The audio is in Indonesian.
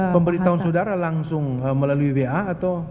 pemberitahuan saudara langsung melalui wa atau